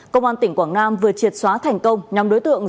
công an tỉnh quảng nam vừa triệt xóa thành công nhóm đối tượng